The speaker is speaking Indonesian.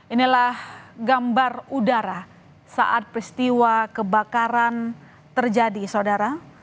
inilah gambar udara saat peristiwa kebakaran terjadi saudara